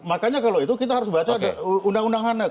makanya kalau itu kita harus baca undang undang hane